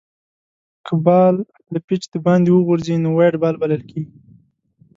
که بال له پيچ دباندي وغورځي؛ نو وایډ بال بلل کیږي.